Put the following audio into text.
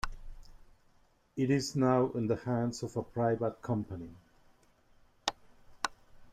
It is now in the hands of a private company.